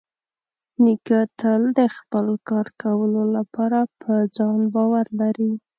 نیکه تل د خپل کار کولو لپاره په ځان باور لري.